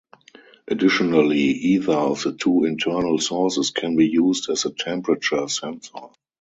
Additionally, either of the two internal sources can be used as a temperature sensor.